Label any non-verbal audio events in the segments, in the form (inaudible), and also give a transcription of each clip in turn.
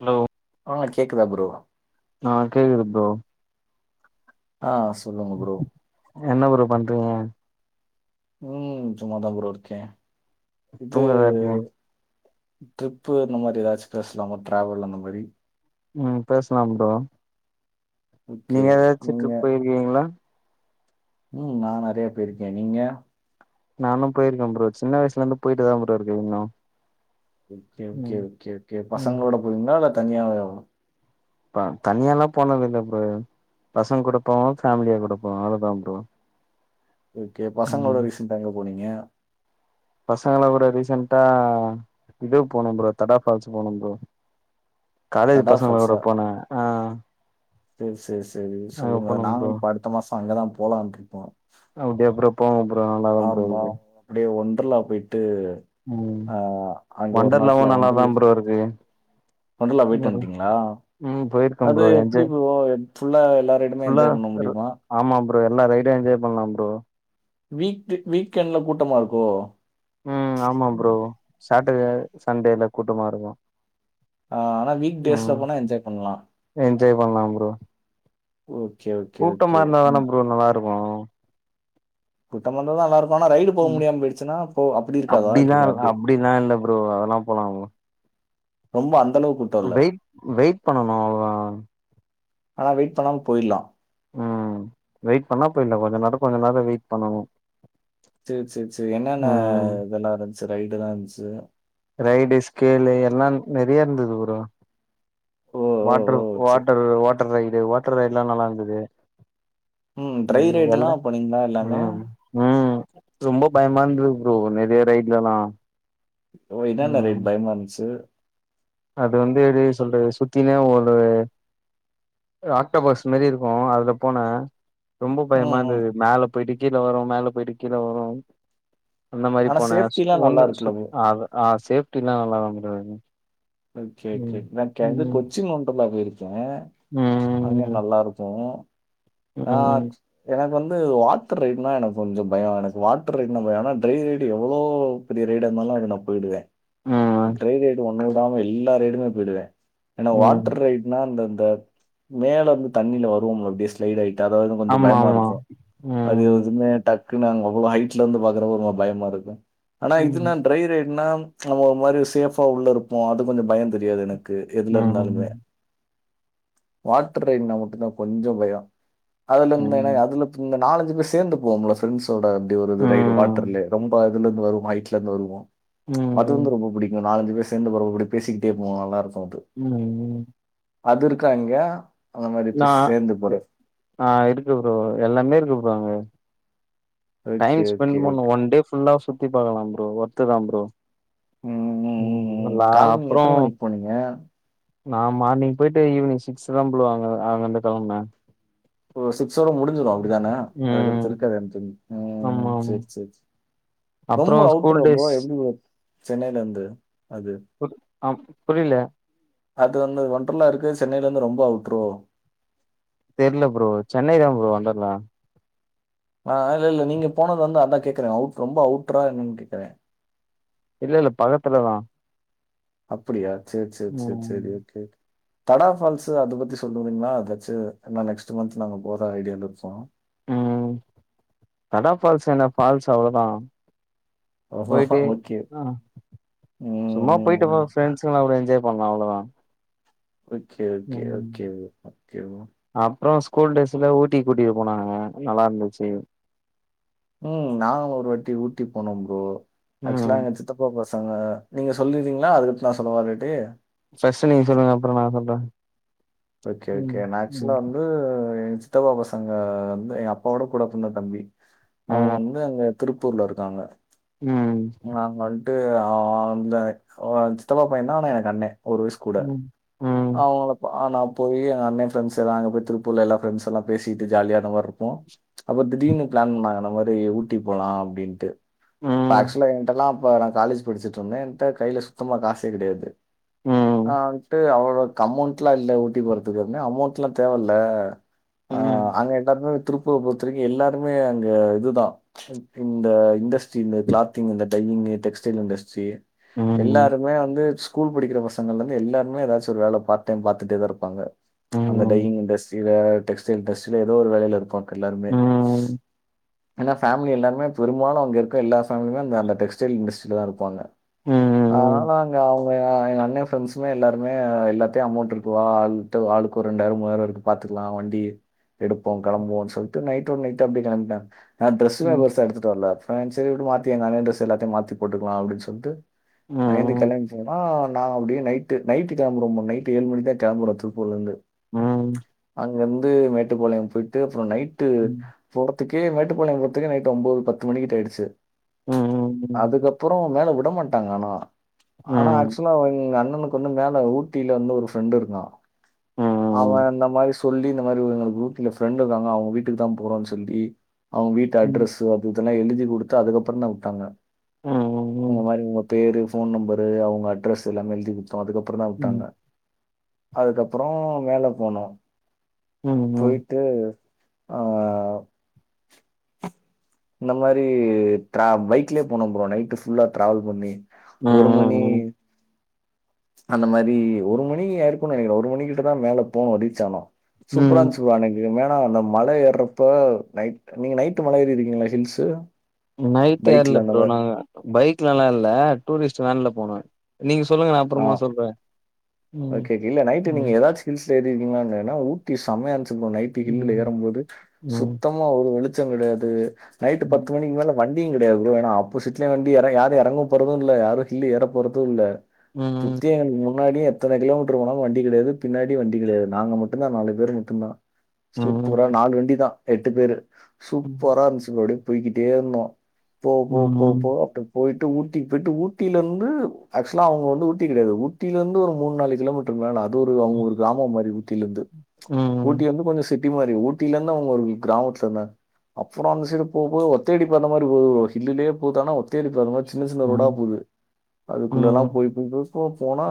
Hello? ஆ கேக்குதா bro? ஆ கேக்குது ப்ரோ. ஆ சொல்லுங்க ப்ரோ. என்ன ப்ரோ பண்றீங்க? ம் சும்மாதா ப்ரோ இருக்கே. இது தூங்கதா இருக்கீங்க ட்ரிப்பு இந்த மாரி எதாச்சு பேசலாமா டிராவல் அந்த மாரி ம் பேசலாம் ப்ரோ. ஓகே. நீங்க எதாச்சு நீங்க ட்ரிப் போயிருக்கிங்ளா? ம் நா நெறைய போயிருக்கே. நீங்க? நானும் போயிருக்கே ப்ரோ. சின்ன வயசுலந்து போயிட்டுதா ப்ரோ இருக்கே இன்னு. ஓகே ஓகே ம் ஓகே ஓகே ம் பசங்ளோட போவிங்ளா இல்ல தனியாவேவா? ப தனியால்லா போனதில்ல ப்ரோ. பசங் கூட போவோ ஃபேமிலியா கூட போவோ அவ்ளதா ப்ரோ. ஓகே ம் பசங்ளோட ரீசென்டா எங்க போனீங்க? பசங்களா கூட ரீசென்டா இது போனோம் ப்ரோ தடா ஃபால்ஸ் போனோம் ப்ரோ. காலேஜ் தடா பசங்ளோட போனே ஆ சேர் சேர் சேரி அங்க சொல்லுங்க போனோ ப்ரோ நாங்குளு இப்ப அடுத்த மாசோ அங்கதா போலான்ட்ருக்கோ. அப்டியா ப்ரோ போங்க ப்ரோ நல்லா தா ப்ரோ இருக்கு. அப்டியே ஒன்றல்லா போயிட்டு ம் ஆ அங்க ஒரு நாள் வண்டர்லாவு ஃபுல்லா நல்லாதா ஒன்றல்லு ப்ரோ இருக்கு ஒன்றலா போயிட்டு வந்டிங்ளா? ம் போயிருக்கே அது ப்ரோ என்ஜாய் எப்படி ப்ரோ ஃபுல்லா எல்லா ரெய்டுமே ஃபுல்லா என்ஜாய் பண்ண முடியுமா ஆமா ப்ரோ எல்லா ரெய்டு என்ஜாய் பண்லா ப்ரோ வீக் வீக்கெண்ட்ல கூட்டமா இருக்கோ ம் ஆமா ப்ரோ சாட்டர்டே சண்டேல கூட்டமா இருக்கு ஆ ஆனா வீக் டேஸ்ல ம் போனா என்ஜாய் பண்லா என்ஜாய் பண்லா ப்ரோ ஓகே ஓகே, ஓகே. கூட்டமா இருந்தா தான ம். ப்ரோ நல்லாருக்கு கூட்டமாருந்தா தா நல்லாருக் போனா ரைடு போக ம் முடியாம போயிடுச்சுன்னா போ அப்டி இருக்காதா அப்டிலா கேக்குற அப்டி அப்டிலா இல்ல ப்ரோ அதெல்லா போலா ப்ரோ. ரொம்ப அன் வெயிட் வெயிட் பண்ணனு அவ்ளோதா ஆனா வெயிட் பண்ணாம போய்ட்லா ம் வெயிட் பண்ணா போய்லா கொஞ்சோ நேர கொஞ்சோ நேர வெயிட் பண்ணணு சேர் சேர் சேரி என்னன்ன ம் இதெல்லா இருந்ச்சு ரைடுல்லா இருந்ச்சு ரைடு ஸ்கேலு எல்லா நெறயா இருந்துது ப்ரோ ஓ! ஓ! வாட்டர் ஓ! சரி. வாட்டரு வாட்டர் ரைடு வாட்டர் ரைடுல்லா நல்லா இருந்துது ம் ட்ரை ரைடுலா போனீங்ளா எல்லாமே ம் ம் ரொம்ப பயமா இருந்துது ப்ரோ நெறய ரைட்லல்லா ஓ இதான ரைடு பயமாருந்ச்சு அது வந்து எப்டி சொல்றது சுத்தினே ஒட்றது ஆக்டோபஸ் மாரி இருக்கு அதுல போன ரொம்ப பயமா ம், ம். இருந்தது மேல போய்ட்டு கீழ வரு மேல போய்ட்டு கீழ வரு அந்த மாரி ஆனா போன சேஃப்டிலாம் நல்லா ஒண்ணு சு இருக்குல்ல ப்ரோ? அது அ சேஃப்டில்லா நல்லாதா ப்ரோ இருந் ஓகே ஓகே நா இது கொச்சின் ஒன்றல்லா அது இருக் கேன் அங்க ம் நல்லாருக்கு ம் ஆர்ச் எனக்கு வந்து வாட்டர் ரைட்னா எனக்கு கொஞ்சோ பய எனக்கு வாட்டர் ரைட்னா பய ஆனா ட்ரை ரைட் எவ்ளோ பெரிய ரைடா இருந்தாலு அதுனா போய்டுவ ம் ட்ரை ரைடு ஒண்ணுவுடாம எல்லா ரைடுமே போய்டுவ ஏன்னா ம் வாட்டர் ரைடு நா இந்தந்த மேலருந்து தண்ணில வருவோம்ல பேஸ் டயடாய்ட்டு அதாது கொஞ்சோ ஆமா ஆமா பயமாருக்கு அது ம் எதுவுமே டக் நாங்க அவ்ளோ ஹைட்ல இருந்து பாக்குரப்போ ஒரு மாரி பயமா இருக்கு ஆனா ம் இதுனா அது ட்ரை ரைட்னா நம்ம ஒரு மாரி சேஃபா உள்ள இருப்போ அது கொஞ்சோ பயம் தெரியாது எனக்கு க்கு எதுல இருந்தாலுமே ம் வாட்டர் ரைட்னா மட்டும்தா கொஞ்சோ பய அதுல இந்த ம் அதுல இந்த நாலஞ்சு பேரு சேந்து போவோம்ல ஃப்ரெண்ட்ஸோட அப்டி ஒரு ரைடு ம் வாட்டர்ல ரொம்ப ருந்து வருவோ ஹைட்ல இருந்து வருவோ அது ம் வந்து ரொம்ப புடிக்கு நாலஞ்சு பேர் ஃபிரண்ட் கூட (unintelligible) பேசிக்கிட்டே போவோ நல்லாருக்கு அது ம் அது இருக்கா அங்க அந்த மாரி இப்ப நா சேந்து போற ஆ இருக்கு ப்ரோ எல்லாமே இருக்கு ப்ரோ அங்க ஓகே டைம் ஓகே ஸ்பென்ட் பண்ணு ஓகே ஒன் டே ஃபுல்லா சுத்தி பாக்கலா ப்ரோ வொர்த்து தான் ப்ரோ ம் லா காலை நீங்க அப்றோ எத்தனை மணிக்கு போனீங்க நான் மார்னிங் போய்ட்டு ஈவினிங் சிக்ஸ்தா ப்ரோ அங்க அங்கருந்து கெளம்புன ஓ சிக்ஸோட முடிஞ்சிரும் அப்டிதான அதுக்கடுத்து ம் இருக்காது எனக்கு தெரிஞ்சு உம் ஆமா ஆமா சரி சரி அப்றோ ரொம்ப ஸ்கூல் அவுட்ரா ப்ரோ டேஸ் எப்டி‌ ப்ரோ சென்னைலருந்து அது பு ஆ புரியல அது வந்து ஒன்ட்ரலா இருக்கு சென்னையில இருந்து ரொம்ப அவுட்ரோ தெர்ல ப்ரோ சென்னை தான் ப்ரோ ஒன்டர்லா ஆ இல்ல இல்ல நீங்க போனது வந்து அதா கேக்குற அவுட் ரொம்ப அவுட்ரா என்னன் கேக்கற இல்ல இல்ல பகத்துலதா அப்படியா செரி செரி செரி ம் செரி ஒகே தடா ஃபால்ஸ்ஸு அத பத்தி சொல்லறீங்களா அதச்சு நா நெக்ஸ்ட் மந்த் நாங்க போர ஐடியால இருக்கோ ம் தடா ஃபால்ஸ் என்ன ஃபால்ஸ் அவ்ளோதா போய்ட்டு ஓகே. ஆ ம், சும்மா ம், போய்ட்டு போ ம். ஃப்ரென்செல்லா ஒரே என்ஜாய் பண்லா அவ்ளோதா ஓகே ஓகே ம் ஓகே ப்ரோ ஓகே ப்ரோ அப்றோ ஸ்கூல் டேஸ்ல ஊட்டிக்கு கூட்டிட்டு போனாங்க நல்லா இருந்துச்சு ம் நானு ஒரு வாட்டி ஊட்டி போன ப்ரோ ஆக்சுலா ம் எங்க சித்தப்பா ப சங்க நீங்க சொல்லிரீங்களா அதுக்கு அடுத் நா சொல்லவா இல்லாட்டி ஃபஸ்ட்டு நீங்க சொல்லுங்க அப்றோ நா சொல்ற ஓகே ஓகே நா ஆக்சுவலா வந்து எங் சித்தப்பா பசங்க வந்து எங்க அப்பாவோட கூட பொறந்த தம்பி அவுங்க ம் வந்து அங்க திருப்பூர்ல இருக்காங்க ம் நாங்க வந்துட்டு அ அந்த ஒ சித்தப்பா பையன் தா ஆனா எனக்கு அண்ண ஒரு வயசு கூட ம் ம் அவுங்களப் ஆ நா போயி எங்க அண்ண ஃப்ரண்ட்செல்லா அங்க போய் திருப்பூர்ல எல்லா ஃப்ரெண்ட்செல்லா பேசிட்டு ஜாலியா அந்த மாரி இருப்போ அப்ப திடீர்னு பிளான் பண்ணாங்க அந்த மாரி ஊட்டி போலா அப்டின்ட்டு இப்ப ம் ஆக்சுவலா என்ட்டலா அப்ப நா காலேஜ் படிச்சிட்டு இருந்தே என்ட்ட கைல சுத்தமா காசே கெடையாது ம் நா வன்ட்டு அவ ப்ரோ கமௌண்ட்லா இல்ல ஊட்டி போறதுக்கு அப்டினே அமௌண்ட்லா தேவ இல்ல ஆ ம் அங்க எல்லாருமே திருப்பூர பொறுத்த வரைக்கு எல்லாருமே அங்க இதுதா இந்த இண்டஸ்ட்ரி இந்த கிளாத்திங் இந்த டையினிங்கு டெக்ஸ்டைல் இண்டஸ்ட்ரி ம் ம் எல்லாருமே வந்து ஸ்கூல் படிக்கிற பசங்கள்ல இருந்து எல்லாருமே எதாச்சு ஒரு வேல பார்ட் டைம் பாத்துட்டே தா இருப்பாங்க அந்த ம் டையிங் இன்டஸ்ட்ரில டெக்ஸ்டைல் டெக்ஸ்டைல ஏதோ ஒரு வேலைல இருப்பாங் எல்லாருமே ம் ஏனா ஃபேமிலி எல்லாருமே பெரும்பாலு அங்க இருக்க எல்லா ஃபேமிலியுமே அந்த அந்த டெக்ஸ்டைல் இண்டஸ்ட்ரில தான் இருப்பாங்க ம் ம் அதனால அங்க அவுங்க எங்க அண்ண ஃப்ரெண்ட்ஸுமே எல்லாரு மே எல்லாத்தியு அமௌண்ட் இருக்கு வா ஆளுகிட்ட ஆளுக்கொரு ரெண்டாயிரோ மூவாயிரூவா இருக்கு பாத்துக்கலா வண்டி எடுப்போ கெளம்புவோன் சொல்ட்டு நைட்டோட நைட்டா அப்டே கெளம்பிட்டாங்க நா ட்ரெசெல்லா ம் பெருசா எடுத்துட்டு வர்ல ஃப்ரெண் சேரி விடு மாத்திங்க ஏன் அண்ணன் ட்ரெஸ் எல்லாத்தையும் மாத்தி போட்டுக்கலாம் அப்டினு சொல்ட்டு அங்கிருந்து ம் கெளம்பி போனா நா அப்டே நைட்டு நைட்டு கெளம்புறோமோ நைட்டு ஏழு மணி தான் கெம்புறோ திருப்பூர்ல இருந்து ம் ம் அங்கிந்து மேட்டுப்பாளையம் போயிட்டு அப்புறோ நைட் ட்டு போறத்துக்கே மேட்டுப்பாளையம் போறத்துக்கே நைட் ஒம்போது பத்து மணிகிட்ட ஆயிடுச்சு ம் ம் ம் ம் ம் அதுக்கப்புறோ மேல விட மாட்டாங்க ஆனா ஆனா ஆக்சுவலா எங்க அண்ணனுக் கு மேல ஊட்டில இருந்து ஒரு ஃப்ரெண்டு இருந்தான் ம் அவன் அந்த மாரி சொல்லி இந்த மாரி உ எங்களுக்கு ஊட்டில ஃப்ரெண்டு இருக்காங்க அவுங்க வீட்டுக்கு தா போறோன் சொல்லி அவுங் வீட்டு ம் அட்ரஸு அது இதெல்லா எழுதி கொடுத்து அதுக்கப்புறோ தா உட்டாங்க உங்க மாரி உங்க பேரு ஃபோன் நம்பரு அவுங்க அட்ரஸ் எல்லாமே எழுதி கு தோ அதுக்கப்றோ தா விட்டாங்க அதுக்கப்றோ மேல போனோ ம் போய்ட்டு ஆ இந்த மரி ட்ர பைக்லே போனோ ப்ரோ நைட்டு ஃபுல்லா டிராவல் பண்ணி ஒரு மணி ம் அந்த மரி ஒரு மணி ஆயிருக்கு நெனைக்கிறே ஒரு மணி கிட்டதா மேல போனோ ரீச் ஆனோ ம் ம் சூப்ராந்ச்சு ப்ரோ அன்னைக் இது மேனா அந்த மல ஏர்றப்ப நைட் நீங்க நைட்டு மல ஏறி இருக்கிங்ளா ஹில்ஸ்சு நைட் ஏர்ல ப்ரோ நாங்க பைக்லலா இல்ல டூரிஸ்ட் வேன்ல போனோ நீங்க சொல்லுங்க நா ஆ. அப்றமா சொல்றே ம் ஓகே ஓகே இல்ல நைட்டு நீங்க ம் எதாச்சு ஹில்ஸ்ல ஏறிருக்கீங்ளான் ஏனா ஊட்டி செமையா இருந்துச்சு ப்ரோ நைட் ஹில்லுல ம் ஏறம்போது ம் ம் சுத்தமா ஒரு வெளிச்சோ கெடையாது நைட்டு பத்து மணிக்கு மேல வண்டி யு கெடையாது ப்ரோ ஏனா ஆப்போசிட்ல வண்டி ஏனா யாரு எறங்கவு போறது இல்ல யாரு ஹில்லு ஏற போறது இல்ல ம் சுத்தி எங் முன்னாடியே எத்தன கிலோமீட்ரு போனாலு வண்டி கெடையாது பின்னாடியு வண்டி கெடையாது நாங்க மட்டுந்தா நாலு பேரு மட்டுந்தா ம் சூப்பரா ம் நாலு வண்டிதா எட்டு பேரு ம் சூப்பரா இருந்துச்சு ப்ரோ அப்டே போய்கிட்டேர்ந்தோ போ போ ம் போவ போவ போயிட்டு ஊட்டிக்கு பேட்டு ஊட்டிலருந்து ஆக்சுவலா அவுங்க வந்து ஊட்டி கெடையாது ஊட்டிலருந்து ஒரு மூணு நாலு கிலோமீட்ரு மேல அது ஒரு அவுங்க ஒரு கிராமோ மாரி ஊட்டிலந்து ம் ஊட்டி வந்து கொஞ்சோ சிட் ட்டி மாரி ஊட்டிலருந்து அவுங்க ஒரு கிராமத்துலருந்தாங்க அப்றோ அந்த சைடு போ போது ஒத்தையடி பாத மாரி போது ப்ரோ ஹில்லுலே போது ஆனா ஒத்தயடி பாத மாரி சின்ன சின்ன ரோடா போது அதுக்குள்ளலா போய் போய் போய் போய் போனா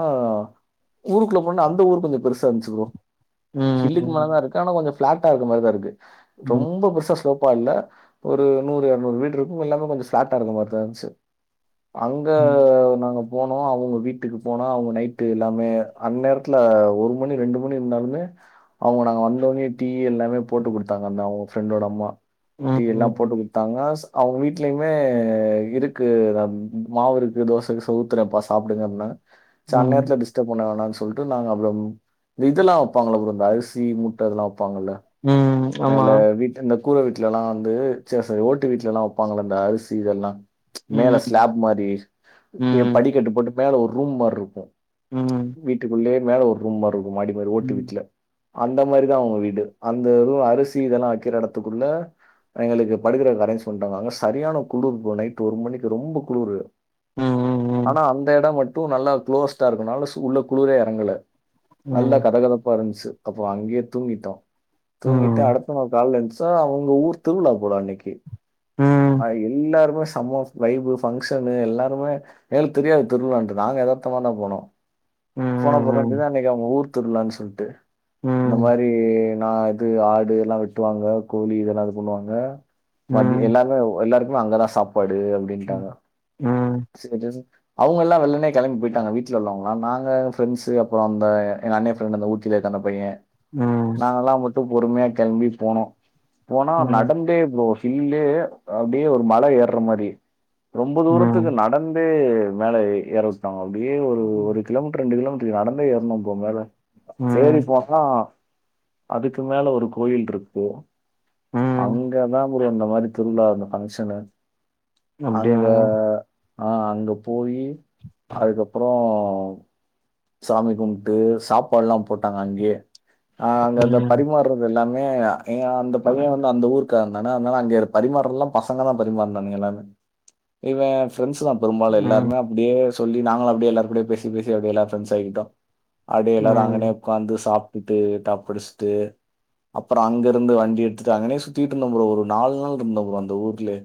ஊருக்குள்ள போனே அந்த ஊரு கொஞ்சோ பெருசா இந்துச்சு ப்ரோ ஹில்லுக்கு மேல ம் தாருக்கு ஆனா கொஞ்சோ பிளாங்க்கா இருக்க மாரிதா இருக்கு ரொம்ப பெருசா சொ ப்பா இல்ல ஒரு நூறு எரநூறு வீடு இருக்கு எல்லாமே கொஞ்சோ ஸ்லாட்டா இருக்க மாரிதா இருந்துச்சு அங்க நாங்க போனோ அவங்க வீட்டுக்கு போனோ அவங்க நைட்டு எல்லாமே அந் நேரத்துல ஒரு மணி ரெண்டு மணி இருந்தாலுமே அவுங்க நாங்க வந்தோனே டீ எல்லாமே போட்டு குடுத்தாங்க அந்த அவுங்க ஃபிரெண்டோட அம்மா டீ எல்லா போட்டு ம் குடுத்தாங்க அவுங்க வீட்லயுமே இருக்கு தா மாவுருக்கு தோச கீச ஊத்துரம்பா சாப்டுங்க அப்புன்னாங்க சே ம் அந்நேரத்துல டிஸ் ஸ்டப் பண்ண வேணான் சொல்ட்டு நாங்க அப்றோ இந்த இதெல்லா வைப்பாங்கல ப்ரோ இந்த அரிசி மூட்ட இதெல்லா வைப்பாங்கல்ல ம் மேல ஆமா வீட்டு இந்த கூர வீட்லலா வந்து சேரி சேரி ஓட்டு வீட்லலா வப்பாங்கள இந்த அரிசி இதெல்லா மேல ம் ஸ்லாப் மாரி ம் ஏ ம் படிக்கட்டு போட்டு மேல ஒரு ரூம் மார்ருக்கு ம் வீட்டுக்குள்ளே மேல ஒரு ரூம் மார் இருக்கு மாடி மாரி ஓட்டு ம் வீட்ல அந்த மாரிதா அவங்க வீடு அந்த ரூ அரிசி இதெல்லா வக்கற எடத்துக்குள்ள எங்களுக்கு படுக்குறக்கு அரேஞ்ச் பண்ட்டாங்க அங்க சரியான குளூரு ப்ரோ நைட் ஒரு மணிக்கு ரொம்ப குளூரு ம் ம் ஆனா அந்த எடோ மட்டு நல்லா குளோஸ்டா இருக்கனால சூ உள்ள குளுரே எறங்கல ம் ம் ம் நல்ல கத கதப்பா இருந்துச்சு அப்போ அங்கே தூங்கிட்டோ தூங்கிட்டு ம் அடுத்த நாள் கால்ல எந்திச்சா அவுங்க ஊர் திருவிழா போல அன்னைக்கு ம் அ எல்லாருமே சம வைபு பங்ஷனு எல்லாருமே எங்களுக்கு தெரியாது திருவிழான்ட்டு நாங்க எதார்த்தமா தா போனோ போன போது தா தெரிது அன்னைக்கு அவுங்க ஊர் திருவிழான் சொல்ட்டு இந்த மாரி நா இது ஆடு எல்லா வெட்டுவாங்க கோழி இதல்லா இது பண்ணுவாங்க மதி எல்லாருமே எல்லாருக்குமே அங்கதா சாப்பாடு அப்டின்ட்டாங்க ம் அவ்ங்கல்லா வெள்ளனே கெளம்பி போயிட்டாங்க வீட்ல உள்ளவ்ங்களா நாங்க ஃப்ரெண்ட்ஸு அப்பற அந்த எங்க அண்ணே ஃப்ரெண்டு அந்த ஊட் டில இருக்கா அந்த பைய ம் நாங்களா மட்டு பொறுமையா கெளம்பி போனோ போனா ம் ம் நடந்தே ப்ரோ திரும்பவு அப்டியே ஒரு மல ஏர்ற மாரி ரொம்ப ம் தூரத்துக்கு நடந் து மலை ஏர விட்டாங்க அப்டியே ஒரு ஒரு கிலோமீட்ரு ரெண்டு கிலோமீட்டரு நடந்தே ஏரன ஏறி ம் போனா அதுக்கு மேல ஒரு கோயில் இருக்கு ம் அங்கதா ப்ரோ இந்த மாரி திருவிழா இந்த ஃபங்க்ஷனு அப்டியா அங்க ஆ அங்க போயி அதுக்கப்றோ சாமி கும்ட்டு சாப்பாட்லா போட்டாங்க அங்கே ஆ அங்க அந்த ம் பரிமாற்றத் இது எல்லாமே ஏனா அந்த பைய வந்து அந்த ஊர்க்காரந்தான அதுனால அங்கேரு பரிமாற்றதெல்லா பசங்கதா பரிமாற்னாங்கங்க எல்லாருமே இவ ஃப்ரெண்ட்ஸ்தா பெரும்பாலு ம் எல்லாருமே அப்டியே சொல்லி நாங்களு அப்டியே எல்லார்க்கூடயு பேசி பேசி அப்டி எல்லாத் ஃப்ரெண்ட்ஸ் ஆகிட்டோ அப்டியே எல்லாரு ம் அங்கனே உக்காந்து சாப்ட்டுட்டு லைட்டா குடிச்ட்டு அப்ற அங்கருந்து வண்டி எடுத்துட்டு அங்கனே சுத்திட்டு இருந்தோ ப்ரோ ஒரு நாலு நாள் இருந்த ப்ரோ அந்த ஊர்லே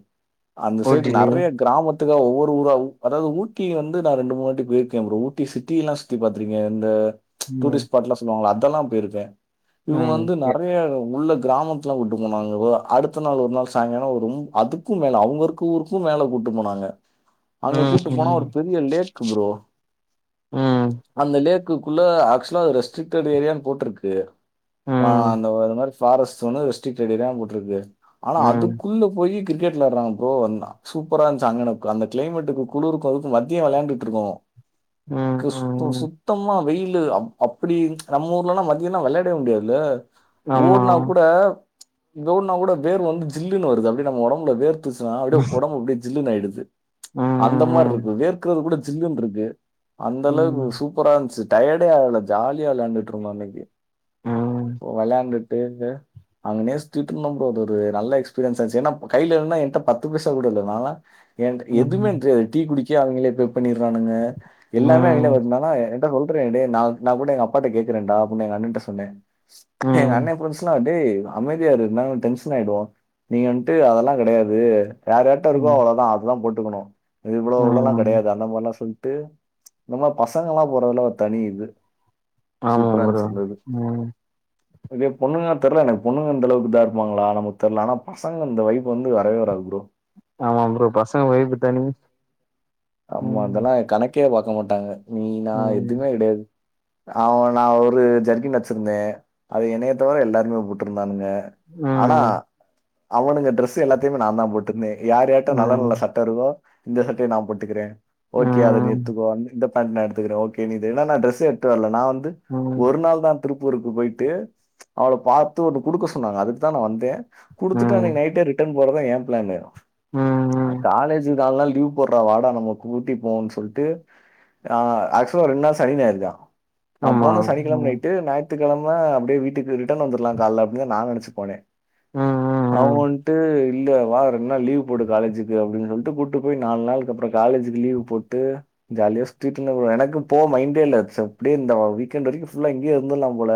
அந்த சைடு ஓட்டிலயே நெறையா கிராமத் த்துல ஒவ்வொரு ஊரா உ அதாவ்து ஊட்டி வந்து நா ரெண்டு மூணு வாட்டி போயிருக்கே ப்ரோ ஊட்டி சிக் டிலா சுத்தி பாத்திருக்க இந்த ம் டூரிஸ்ட் ஸ்பாட்லா சொல்லுவாங்கள அதெல்லா போயிருக்கே இவ்ங்க ம் வந்து எ நெறையா உள்ள கிராமம் த்துல வுட்டு போனாங்க ப்ரோ அடுத்த நாள் ஒரு நாள் சாய்ங்கால ஒரு ம் அதுக்கு மேல அவ்ங்க இருக்க ஊருக்கு மேல கூட்டு போனாங்க அங்க கூட்டு போனா ஒரு ம் பெரிய லேக்கு ப்ரோ ம் அந்த லேக்குக்குள்ள ஆக்சுவலா அது ரெஸ்ட்ரிக்டட் ஏரியான் போட்ருக்கு ம் ஆ ம் அந்த ஒரு மாரி ஃபாரஸ்ட் ஒன்னு ரெஸ்டிக்டட் ஏரியான் போட்ருக்கு ஆனா ம் ம் அதுக்குள்ள போயி கிரிக்கெட் வெளாட்ராங்க ப்ரோ வந்தா சூப்பரா இருஞ்ச்சு அங்குன அந்த க்ளைமெட்டுக்கு குளுருக்கு அதுக்கு மத்ய வெளாண்டுட்ருக்கோ க சுத்த ம் சுத்தமா வெயில்லு அப் அப்பிடி நம்ம ஊர்லலா பாத்தீயனா வெளாடவே முடியாதுல ஆமா ஓட்னாக் கூட ஓட்னாக் கூட வேர்வ வந்து ஜில்லுனு வருது அப்டி நம்ம ஒடம்புல வேர்த் த்துச்சுனா அப்டே ம் ஒடம்பு அப்டே ஜில்லுனு ஆய்டுது அந்த ம் மார்ருக்கு வேர்க்குறது கூட ஜில்லுன்ருக்கு ம் அந்தளவுக்கு சூப்பரா இருந்ச்சு டயர்டே ஆகல ஜாலியா வெளாண்டுட்ருந்தோ அன்னைக்கி ம் ஓ வெளாண்டுட்டுனு அங்கனே சுத்திட்ருந்தோ ப்ரோ அது ஒரு நல்ல எக்ஸ்பீரியன்ஸ் ஆச்சு ஏனாப் கைல இருந்தா என்ட்ட பத்து பைசா கூட இல்லனா என்ட்ட எதுமே ம் இன்று டீ குடிக்க அவ்ங்களே பே பண்ணிட்றானுங்க எல்லாமே இல்ல ம் ஒர்நாதா என்ட்ட சொல்றே டே நா நா கூட எங்கப்பாட்ட கேக்குறேன்டா அப்புட்னு எங்கண்ணன்ட்ட சொன்னே எங்க ம் அண்ணே புரிஞ்ச்சுனா டேய் அமைதியாரு இருந்தாலு டென்ஷன் ஆயிடுவோ நீங்க வந்ட்டு அதெல்லா கெடையாது யார் யார்ட்ட இருக்கோ அவளதா அதுதா போட்டுக்கணு அ இவ்ளோ இவ்ளோல்லா ம் கெடையாது அந்த மார்லா சொல்ட்டு இந்த மார் பசங்கலா போறதுலா ஒரு தனி இது ஆமா சூப்பரா ப்ரோ இருந்ச்சு அந்த இது ம் இதே பொண்ணுங்க தெர்ல எனக்கு பொண்ணுங்க இந்தளவுக்கு இதா இருப்பாங்களா நமக்கு தெர்ல ஆனா பசங்க இந்த வைப்பு வந்து வரவே வராது ப்ரோ ஆமா ப்ரோ பசங்க வைப்பு தனி ஆமா ம் அதெல்லா கணக்கே பாக்க மாட்டாங்க நீ நா ம் எதுமே கெடையாது ஆமா நா ஒரு ஜெர்க்கின் வச்சிருந்தே அது என்னைய தவர எல்லாருமே போட்ருந்தானுங்க ஆனா ம் அவனுங்க டிரெஸ்ஸு எல்லாத்தையுமே நாந்தா போட்ருந்தே யார் யார்ட்ட ம் நல்ல ம் நல்ல சட் தருவா இந்த சட்டைய நா போட்டுக்கிறே ஓகே அத நு எட்த்துக்கோ அந்த இந்தப் நா எடுத்துகிறே ஓகே நீ இது என்னான்னா டிரெஸ் எடுத்து வர்ல நா வந்து ம் ஒரு நாள் தா திருப்பூருக்கு போயிட்டு அவள பாத்து ஒன்னு குடுக்க சொன்னாங்க அதுக்குதா நா வந்தே குடுத்துட்டு ம் அன்னைக்கு நைட்டே ரிட்டன் போறத்தா ஏ பிளானு ம் ஆனா ம் காலேஜ் நால் நாள் லீவ் போட்றா வா நம்ம கூட்டி போவோன்னு சொல்ட்டு ஆ ஆக்சுவ ரெண்நாள் சனி ஞாயிருதா நா ஆமா போனது ம் சனிக்கெழம ம் நைட்டு ஞாயித்துகெழம அப்டியே வீட்டுக்கு ரிட்டன் வந்துர்லா காலைல அப்டின்னு நா நெனச்சு போனே ம் அவ ம் வன்ட்டு இல்ல வா ரெண்நாள் லீவ் போடு காலேஜுக்கு அப்டின் சொல்ட்டு கூட்டு போய் நாள் நாளுக்கப்றோ காலேஜுக்கு லீவ் போட்டு ஜாலியா சுத்திட்டு இருந்த ப்ரோ எனக்கு போ மைண்டே இல்ல அப்டியே இந்த வீக்கெண்ட் வரைக்கு ஃபுல்லா இங்கயே இருந்துரலாம் போல